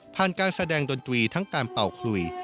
การแสดงดนตรีทั้งการเป่าคลุย